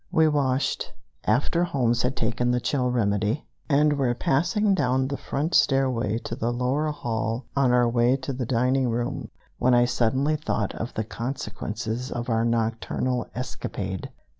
We washed, after Holmes had taken the chill remedy, and were passing down the front stairway to the lower hall on our way to the dining room when I suddenly thought of the consequences of our nocturnal escapade.